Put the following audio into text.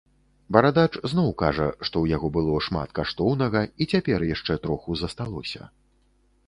Барадач зноў кажа, што ў яго было шмат каштоўнага і цяпер яшчэ троху засталося.